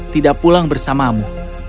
tidak pulang bersamamu